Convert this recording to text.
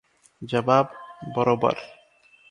ଜବାବ - ବରୋବର ।